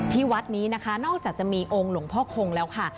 ที่วัดนี้นะคะนอกจากจะมีองค์หลวงพ่อคงแล้วค่ะ